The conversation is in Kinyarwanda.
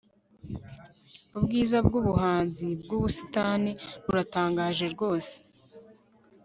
ubwiza bwubuhanzi bwubusitani buratangaje rwose